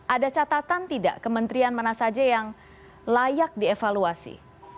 ada catatan tidak kementerian mana saja yang layak dievaluasi